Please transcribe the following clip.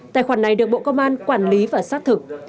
tài khoản này được bộ công an quản lý và xác thực